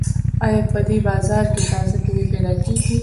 ایا په دې بازار کې تازه مېوې پیدا کیږي؟